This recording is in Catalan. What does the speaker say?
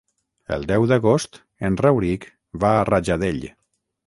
El deu d'agost en Rauric va a Rajadell.